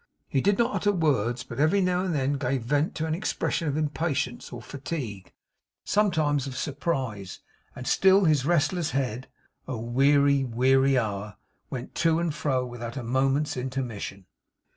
He did not utter words; but every now and then gave vent to an expression of impatience or fatigue, sometimes of surprise; and still his restless head oh, weary, weary hour! went to and fro without a moment's intermission.